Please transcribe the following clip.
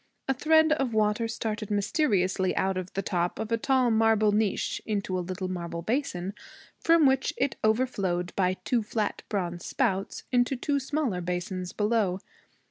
A thread of water started mysteriously out of the top of a tall marble niche into a little marble basin, from which it overflowed by two flat bronze spouts into two smaller basins below.